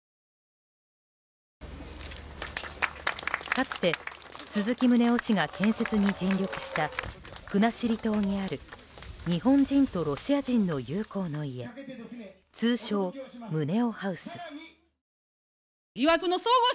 かつて鈴木宗男氏が建設に尽力した国後島にある日本人とロシア人の友好の家通称ムネオハウス。